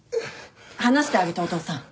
離してあげてお父さん。